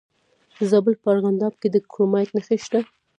د زابل په ارغنداب کې د کرومایټ نښې شته.